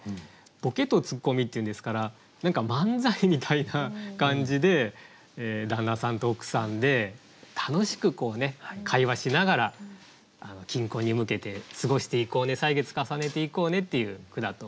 「ぼけとつっこみ」っていうんですから何か漫才みたいな感じで旦那さんと奥さんで楽しく会話しながら金婚に向けて過ごしていこうね歳月重ねていこうねっていう句だと思います。